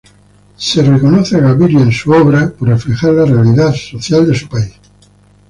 En su obra, Gaviria es reconocido por reflejar la realidad social de su país.